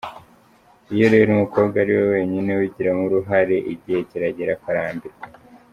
Iyo rero umukobwa ari we wenyine ubigiramo uruhare, igihe kiragera akarambirwa.